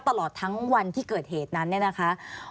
ตลอดทั้งวันที่เกิดเหตุนั้นเนี่ยนะคะ